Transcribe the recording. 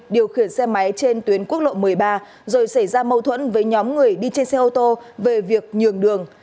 điều khiển xe máy trên tuyến quốc lộ một mươi ba rồi xảy ra mâu thuẫn với nhóm người đi trên xe ô tô về việc nhường đường